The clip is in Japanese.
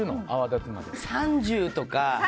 ３０とか。